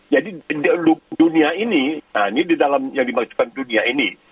jadi dunia ini yang dimaksudkan dunia ini